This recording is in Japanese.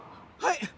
はい。